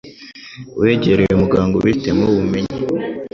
wegereye muganga ubifitemo ubumenyi